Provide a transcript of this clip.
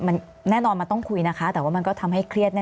มันแน่นอนมันต้องคุยนะคะแต่ว่ามันก็ทำให้เครียดแ